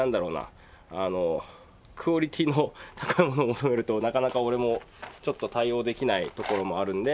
あのクオリティーの高いものを求められるとなかなか俺もちょっと対応できないところもあるので。